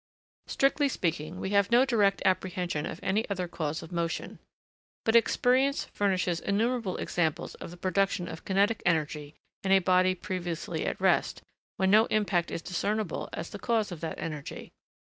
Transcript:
Strictly speaking, we have no direct apprehension of any other cause of motion. But experience furnishes innumerable examples of the production of kinetic energy in a body previously at rest, when no impact is discernible as the cause of that energy.